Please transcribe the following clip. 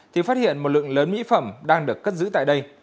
thì phát hiện một lượng lớn mỹ phẩm đang được cất giữ tại đây